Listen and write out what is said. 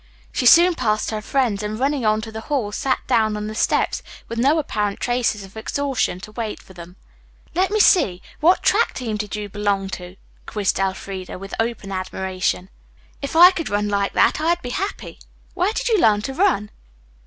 She soon passed her friends and running on to the hall sat down on the steps with no apparent traces of exhaustion to wait for them. "Let me see, what track team did you say you belonged to?" quizzed Elfreda, with open admiration. "If I could run like that I'd be happy. Where did you learn to run?"